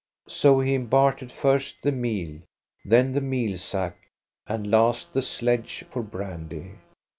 So he bartered first the meal, then the meal sack, and last the sledge, for brandy.